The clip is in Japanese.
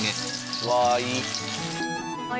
うわいい。